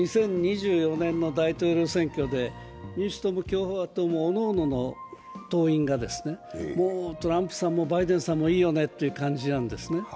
２０２４年の大統領選挙で民主党も共和党もおのおのの党員がトランプさんもバイデンさんも、いいよねという感じなんですよね。